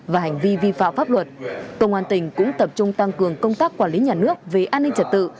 và hành vi vi phạm pháp luật công an tỉnh cũng tập trung tăng cường công tác quản lý nhà nước về an ninh trật tự